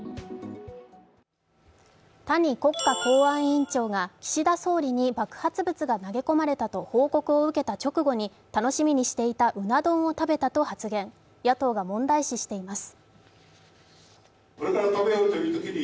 谷国家公安委員長が岸田総理に爆発物が投げ込まれたと報告を受けた直後に楽しみにしていたうな丼を食べたと発言、野党が問題視しています。